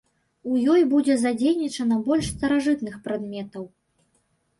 У ёй будзе задзейнічана больш старажытных прадметаў.